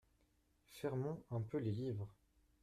Fermons un peu les livres.